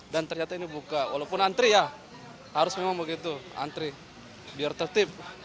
dan ternyata ini buka walaupun antri ya harus memang begitu antri biar tertip